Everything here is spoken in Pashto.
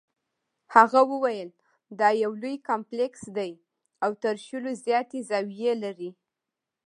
هغه وویل دا یو لوی کمپلیکس دی او تر شلو زیاتې زاویې لري.